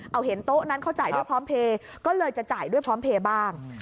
เอาเห็นโต๊ะนั้นเขาจ่ายด้วยพร้อมเพลย์ก็เลยจะจ่ายด้วยพร้อมเพลย์บ้าง